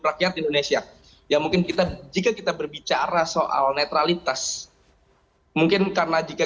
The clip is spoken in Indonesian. rakyat indonesia ya mungkin kita jika kita berbicara soal netralitas mungkin karena jika